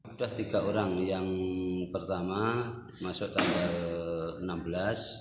sudah tiga orang yang pertama masuk tanggal enam belas